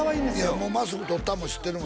もうマスク取ったのも知ってるもん